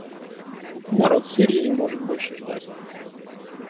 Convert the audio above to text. Народ Сирии не может больше ждать.